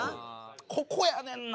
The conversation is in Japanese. ここやねんな。